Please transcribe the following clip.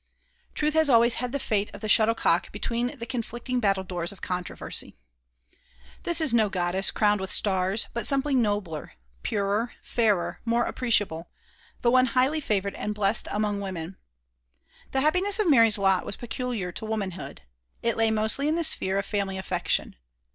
Truth has always had the fate of the shuttlecock between the conflicting battledoors of controversy. This is no goddess crowned with stars, but something nobler, purer, fairer, more appreciable the One highly favored and blessed among Women. The happiness of Mary's lot was peculiar to womanhood. It lay mostly in the sphere of family affection.